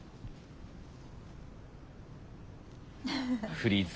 フリーズ。